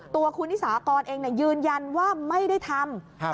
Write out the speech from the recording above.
ตัวคุณนิสากรเองยืนยันว่าไม่ได้ทำ